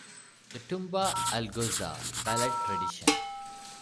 "The Tumba-Algoza Ballad Tradition".